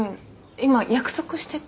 今約束してて。